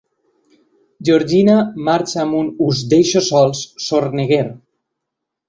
Georgina marxa amb un «us deixo sols» sorneguer.